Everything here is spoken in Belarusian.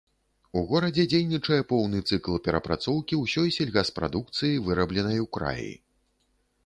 У горадзе дзейнічае поўны цыкл перапрацоўкі ўсёй сельгаспрадукцыі, вырабленай у краі.